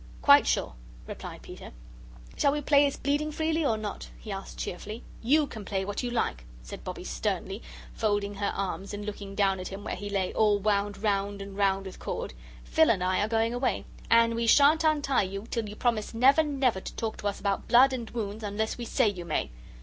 "Quite sure," replied Peter. "Shall we play it's bleeding freely or not?" he asked cheerfully. "YOU can play what you like," said Bobbie, sternly, folding her arms and looking down at him where he lay all wound round and round with cord. "Phil and I are going away. And we shan't untie you till you promise never, never to talk to us about blood and wounds unless we say you may.